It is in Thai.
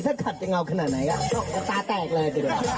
ถ้าขัดยังเงาขนาดไหนก็ตาแตกเลย